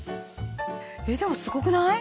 えっでもすごくない？